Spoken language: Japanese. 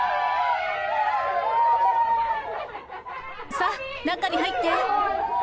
さあ、中に入って。